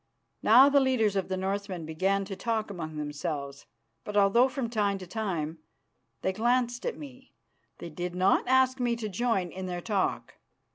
Now the leaders of the Northmen began to talk among themselves, but although from time to time they glanced at me, they did not ask me to join in their talk.